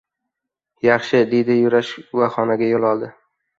– Yaxshi, – dedi Yurash va xonaga yoʻl oldi.